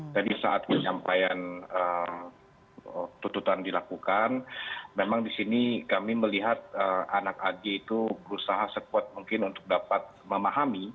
jadi saat penyampaian tuntutan dilakukan memang di sini kami melihat anak ag itu berusaha sekuat mungkin untuk dapat memahami